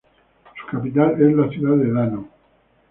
Su capital es la ciudad de Dano.